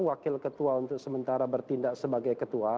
wakil ketua untuk sementara bertindak sebagai ketua